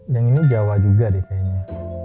yang ini jawa juga deh kayaknya